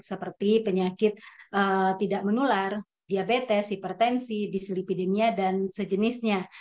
seperti penyakit tidak menular diabetes hipertensi dislipidemia dan sejenisnya